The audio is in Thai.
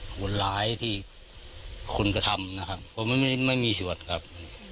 คนร้ายที่คุณกระทำนะครับผมไม่มีส่วนครับ